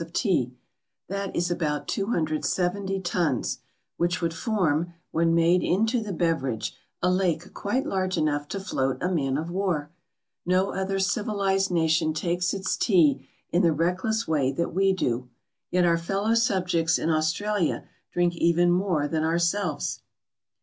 of tea. That is about 270 tons, which would form, when made into the beverage, a lake quite large enough to float a man of war! No other civilized nation takes its tea in the reckless way that we do. Yet our fellow subjects in Australia drink even more than ourselves.